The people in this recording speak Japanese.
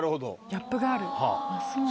ギャップがある。